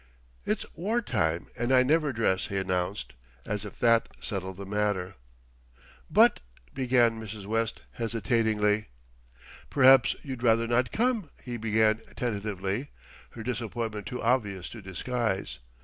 "It's war time and I never dress," he announced, as if that settled the matter. "But " began Mrs. West hesitatingly. "Perhaps you'd rather not come?" he began tentatively, his disappointment too obvious to disguise.